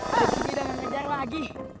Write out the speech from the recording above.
lagi jangan ngejar lagi